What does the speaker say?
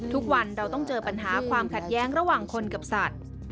ทุกวันเราต้องเจอปัญหาความขัดแย้งระหว่างคนกับสัตว์